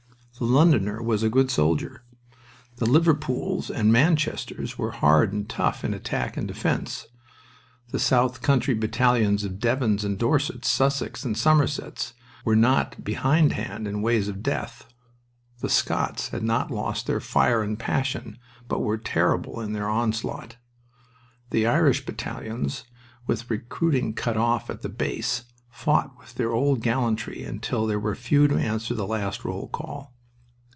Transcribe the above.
The Londoner was a good soldier. The Liverpools and Manchesters were hard and tough in attack and defense. The South Country battalions of Devons and Dorsets, Sussex and Somersets, were not behindhand in ways of death. The Scots had not lost their fire and passion, but were terrible in their onslaught. The Irish battalions, with recruiting cut off at the base, fought with their old gallantry, until there were few to answer the last roll call.